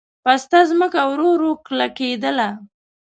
پسته ځمکه ورو ورو کلکېدله.